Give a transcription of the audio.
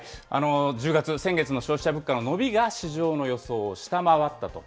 １０月、先月の消費者物価の伸びが市場の予想を下回ったと。